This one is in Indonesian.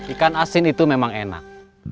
ikan asin itu memang enak